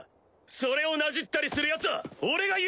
それをなじったりするヤツは俺が許さねえ！